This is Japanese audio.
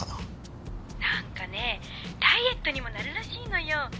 ☎何かねぇダイエットにもなるらしいのよ。